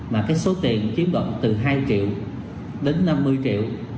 mà cái số tiền chiếm đoạt từ hai triệu đến năm mươi triệu